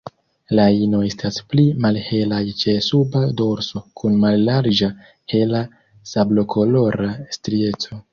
La ino estas pli malhelaj ĉe suba dorso kun mallarĝa hela sablokolora strieco.